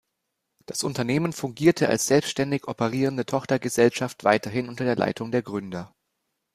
Das Unternehmen fungierte als selbständig operierende Tochtergesellschaft weiterhin unter der Leitung der Gründer.